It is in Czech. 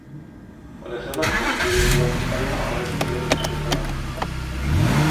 O deset let později byla postavena ohradní zeď hřbitova.